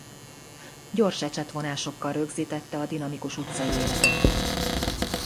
Gyors ecsetvonásokkal rögzítette a dinamikus utcai életet.